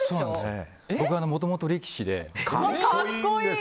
僕はもともと力士で。